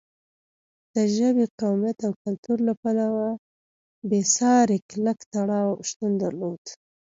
د ژبې، قومیت او کلتور له پلوه بېساری کلک تړاو شتون درلود.